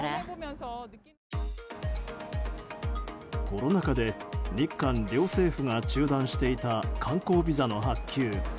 コロナ禍で日韓両政府が中断していた観光ビザの発給。